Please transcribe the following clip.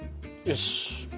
よし。